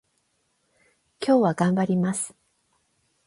今日は頑張ります